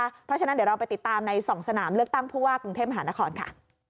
เพราะฉะนั้นเดี๋ยวเราไปติดตามใน๒สนามเลือกตั้งผู้ว่ากรุงเทพมหานครค่ะ